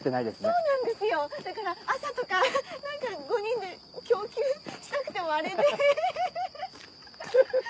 そうなんですよだから朝とか何か５人で供給したくてもあれでフフフ。